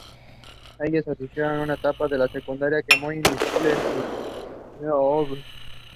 Hayes asistió en su etapa de secundaria al Moeller High School en Cincinnati, Ohio.